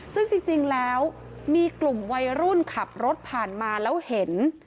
ซึ่งจริงแล้วมีกลุ่มวัยรุ่นขับรถผ่านมาแล้วเห็น